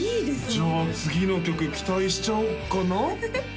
じゃあ次の曲期待しちゃおうかな？